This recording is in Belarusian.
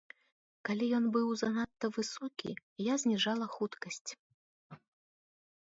Калі ён быў занадта высокі, я зніжала хуткасць.